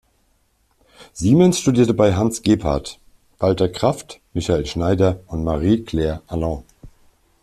Siemens studierte bei Hans Gebhard, Walter Kraft, Michael Schneider und Marie-Claire Alain.